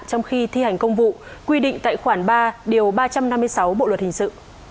trong khi thi hành công vụ quy định tại khoản ba điều ba trăm năm mươi sáu bộ luật hình sự